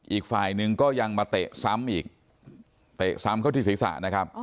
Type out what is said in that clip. อีกฝ่ายหนึ่งก็ยังมาเตะซ้ำอีกเตะซ้ำเข้าที่ศีรษะนะครับ